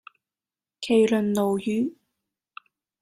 麒麟鱸魚